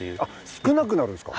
少なくなるんですか。